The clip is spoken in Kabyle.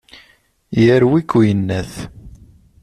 Yerwi-k uyennat.